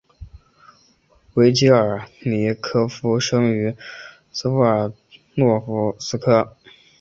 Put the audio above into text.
维捷尔尼科夫生于斯维尔德洛夫斯克。